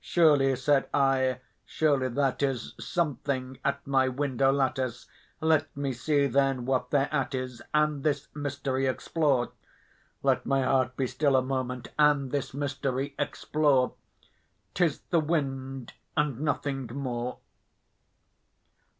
"Surely," said I, "surely that is something at my window lattice: Let me see, then, what thereat is, and this mystery explore Let my heart be still a moment and this mystery explore; 'Tis the wind and nothing more."